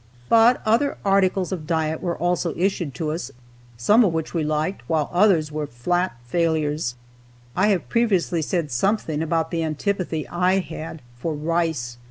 But other articles of diet were also issued to us, some of which we liked, while others were flat failures. I have previously said something about the antipathy I had for rice.